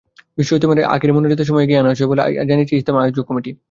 বিশ্ব ইজতেমার আখেরি মোনাজাতের সময় এগিয়ে আনা হয়েছে বলে জানিয়েছেন ইজতেমা আয়োজক কমিটি।